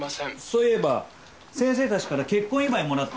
そういえば先生たちから結婚祝いもらったんだ。